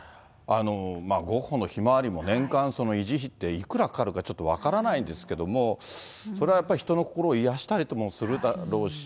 ゴッホのひまわりも年間維持費っていくらかかるかちょっと分からないですけども、それはやっぱり人の心を癒やしたりもするだろうし、